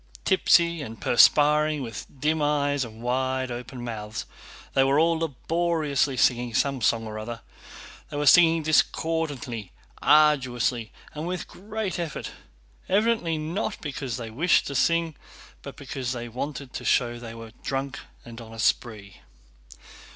Tipsy and perspiring, with dim eyes and wide open mouths, they were all laboriously singing some song or other. They were singing discordantly, arduously, and with great effort, evidently not because they wished to sing, but because they wanted to show they were drunk and on a spree.